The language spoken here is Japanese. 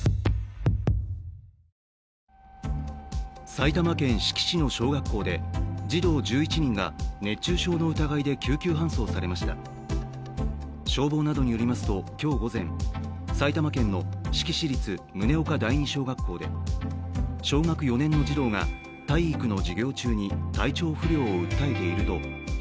埼玉県志木市の小学校で児童１１人が熱中症の疑いで救急搬送されました消防などによりますと、今日午前埼玉県の志木市立宗岡第二小学校で熱中症とみられる症状を訴えていて病院に搬送されたということです。